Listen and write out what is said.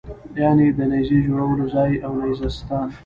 یعنې د نېزې جوړولو ځای او نېزه ستان.